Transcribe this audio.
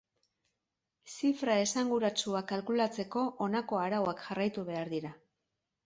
Zifra esanguratsuak kalkulatzeko honako arauak jarraitu behar dira.